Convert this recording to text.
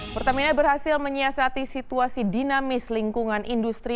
pertamina berhasil menyiasati situasi dinamis lingkungan industri